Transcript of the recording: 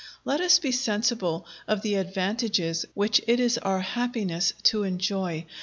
Let us be sensible of the advantages which it is our happiness to enjoy.